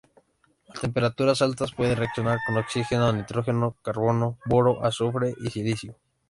A temperaturas altas puede reaccionar con oxígeno, nitrógeno, carbono, boro, azufre y silicio.